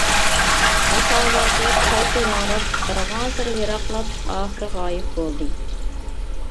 ھاسا ئاۋازى قايتا ياڭراپ بارغانسېرى يىراقلاپ ئاخىرى غايىب بولدى.